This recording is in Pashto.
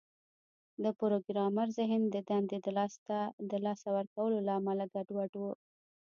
د پروګرامر ذهن د دندې د لاسه ورکولو له امله ګډوډ و